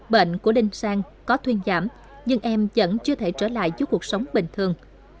bệnh của linh sang có thuyên giảm nhưng em vẫn chưa thể trở lại giúp cuộc sống bình thường